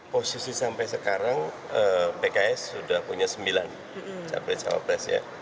posisi sampai sekarang pks sudah punya sembilan cawapres